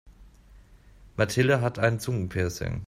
Mathilde hat ein Zungenpiercing.